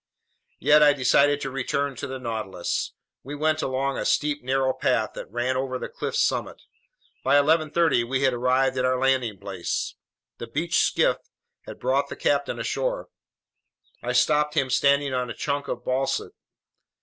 Yet I decided to return to the Nautilus. We went along a steep, narrow path that ran over the cliff's summit. By 11:30 we had arrived at our landing place. The beached skiff had brought the captain ashore. I spotted him standing on a chunk of basalt.